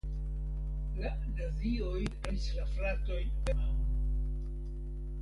La nazioj forte premis la fratojn vendi la firmaon.